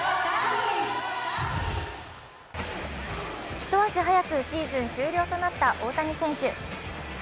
一足早くシーズン終了となった大谷選手。